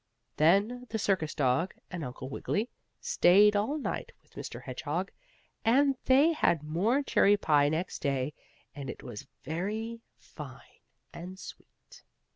Then the circus dog and Uncle Wiggily stayed all night with Mr. Hedgehog, and they had more cherry pie next day, and it was very fine and sweet.